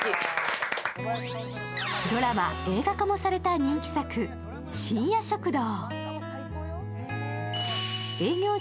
ドラマ、映画化もされた人気作「深夜食堂」。